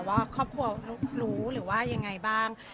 ว่าครอบครัวรู้หรือว่ายังไงบ้าง